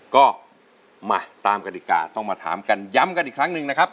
ก็มาตามกฎิกาต้องมาถามกันย้ำกันอีกครั้งหนึ่งนะครับ